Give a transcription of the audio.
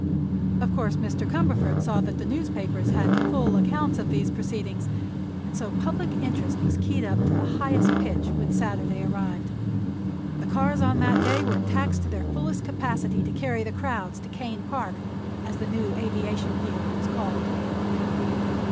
Of course Mr. Cumberford saw that the newspapers had full accounts of these proceedings, and so public interest was keyed up to the highest pitch when Saturday arrived. The cars on that day were taxed to their fullest capacity to carry the crowds to Kane Park, as the new aviation field was called.